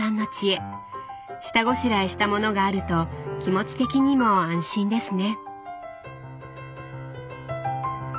下ごしらえしたものがあると気持ち的にも安心ですね。